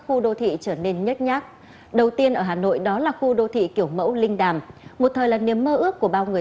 cô gọi chỉ thành công khi người sử dụng quay số theo mã mạng mới